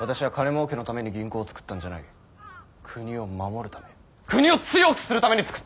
国を守るため国を強くするために作ったんだ！